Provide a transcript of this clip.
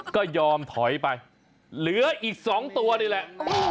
ก็ยอมถอยไปเหลืออีก๒ตัวนี่แหละ